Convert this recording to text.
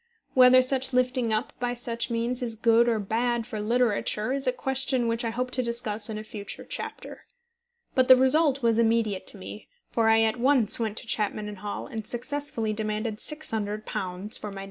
Whether such lifting up by such means is good or bad for literature is a question which I hope to discuss in a future chapter. But the result was immediate to me, for I at once went to Chapman & Hall and successfully demanded £600 for my next novel. CHAPTER VIII.